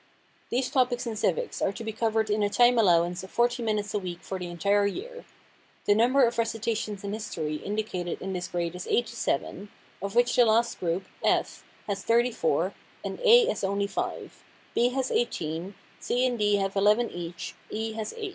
These topics in civics are to be covered in a time allowance of forty minutes a week for the entire year. The number of recitations in history indicated in this grade is eighty seven (87), of which the last group, F, has 34, and A has only 5; B has 18; C and D have 11 each; E has 8.